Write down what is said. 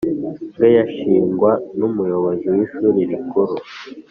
bwe yashingwa n Umuyobozi w Ishuri Rikuru